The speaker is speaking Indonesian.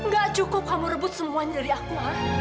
gak cukup kamu rebut semuanya dari aku